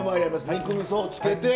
肉みそをつけて。